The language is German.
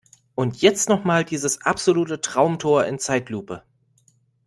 Und jetzt noch mal dieses absolute Traumtor in Zeitlupe!